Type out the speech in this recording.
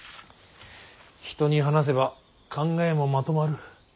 人に話せば考えもまとまる。